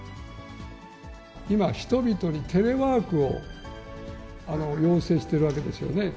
今、人々にテレワークを要請してるわけですよね。